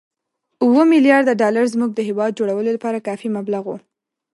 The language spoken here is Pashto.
اووه ملیارده ډالر زموږ د هېواد جوړولو لپاره کافي مبلغ وو.